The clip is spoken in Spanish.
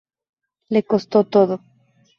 Le costó todo.